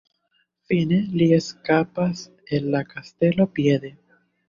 Fine, li eskapas el la kastelo piede.